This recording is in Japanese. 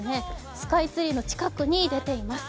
スカイツリーの近くに出ています。